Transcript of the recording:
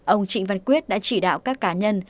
ông trịnh văn quyết đã chỉ đạo các cá nhân